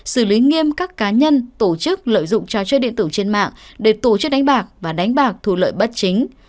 xử lý nghiêm các cá nhân tổ chức lợi dụng trò chơi điện tử trên mạng để tổ chức đánh bạc và đánh bạc thu lợi bất chính